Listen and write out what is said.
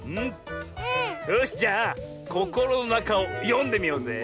よしじゃあ「ココロのなか」をよんでみようぜ。